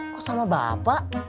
kok sama bapak